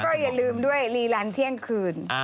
แล้วก็อย่าลืมด้วยลีรันที่เที่ยงคืน